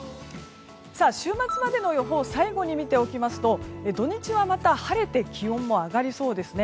週末までの予報を最後に見ておきますと土日はまた晴れて気温も上がりそうですね。